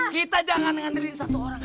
kita jangan ngandalkin satu orang aja